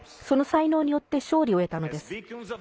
その才能によって勝利を得たのです。